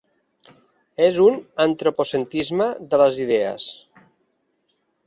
És un antropocentrisme de les idees.